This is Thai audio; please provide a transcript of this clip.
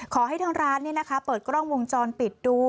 ขอให้ทางร้านเปิดกล้องวงจรปิดดู